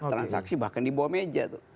transaksi bahkan di bawah meja tuh